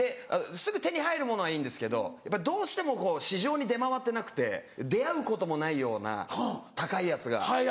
すぐ手に入るものはいいんですけどどうしても市場に出回ってなくて出合うこともないような高いやつが。